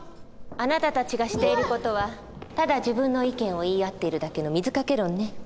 あなたたちがしている事はただ自分の意見を言い合っているだけの水掛け論ね。